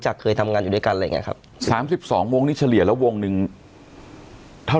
สามสิบสามสิบสามสิบเอ็ดสามสิบสองน่ะล่าสุดเพราะว่า